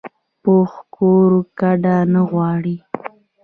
پوخ کور کډه نه غواړي